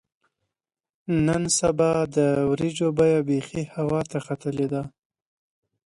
نن سبا د وریجو بیه بیخي هوا ته ختلې ده.